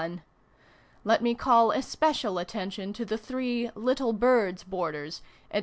Let me call especial attention to the three " Little Birds" borders, at pp.